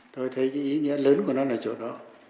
tôi thấy cái ý nghĩa lớn của nó là chỗ đó